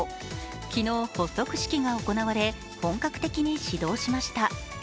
昨日発足式が行われ本格的に始動しました。